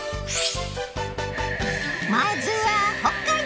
まずは北海道よ！